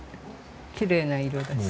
きれいな色だし。